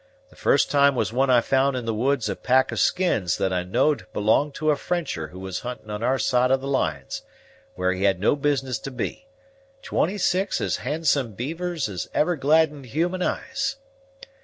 The first time was when I found in the woods a pack of skins that I knowed belonged to a Frencher who was hunting on our side of the lines, where he had no business to be; twenty six as handsome beavers as ever gladdened human eyes.